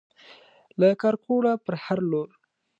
له کارکوړه پر هر لور